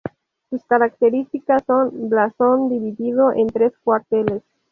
Sus características son: blasón dividido en tres cuarteles.